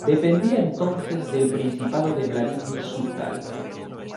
Dependía entonces del principado de Vladímir-Súzdal.